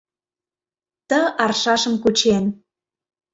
Ты аршашым кучен